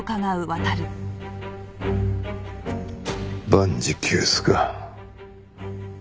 万事休すか。